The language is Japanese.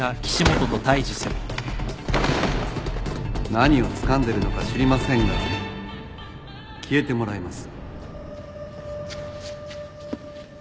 何をつかんでるのか知りませんが消えてもらいます。